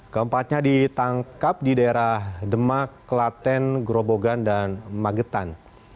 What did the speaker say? keempatnya ditangkap di daerah demak klaten gerobogan dan magetan